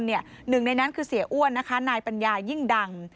หนึ่งในนั้นคือเสียอ้วนนะคะนายปัญญายิ่งดัง